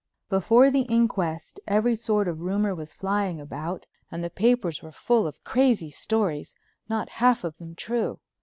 Before the inquest every sort of rumor was flying about, and the papers were full of crazy stories, not half of them true.